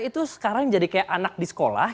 itu sekarang jadi kayak anak di sekolah